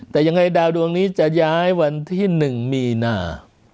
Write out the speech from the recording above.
แต่ยังไงดาวดวงนี้จะย้ายวันที่๑มีนา